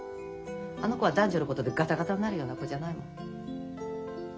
あの子は男女のことでガタガタになるような子じゃないもの。